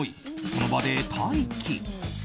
その場で待機。